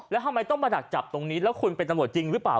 แล้วทำไมต้องมาดักจับตรงนี้แล้วคุณเป็นตำรวจจริงหรือเปล่า